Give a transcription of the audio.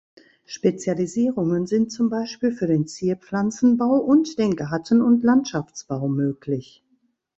Spezialisierungen sind zum Beispiel für den Zierpflanzenbau und den Garten- und Landschaftsbau möglich.